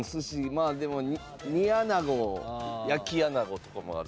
まあでも煮アナゴ焼きアナゴとかもある。